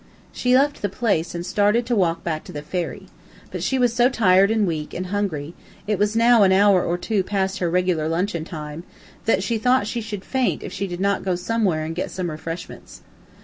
She left the place, and started to walk back to the ferry. But she was so tired and weak, and hungry it was now an hour or two past her regular luncheon time that she thought she should faint if she did not go somewhere and get some refreshments.